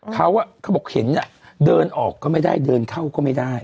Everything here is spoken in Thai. เขาบอกเห็นเดินออกก็ไม่ได้เดินเข้าก็ไม่ได้